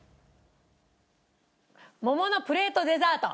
桃のプレートデザート。